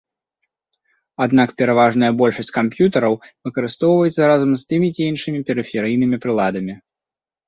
Аднак пераважная большасць камп'ютараў выкарыстоўваецца разам з тымі ці іншымі перыферыйнымі прыладамі.